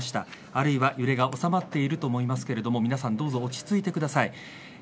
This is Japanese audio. あるいは揺れが収まっていると思いますが皆さんどうぞ落ち着いてください。